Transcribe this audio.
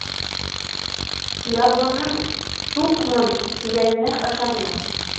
Ярлының «туҡмын» тигәненә ышанма.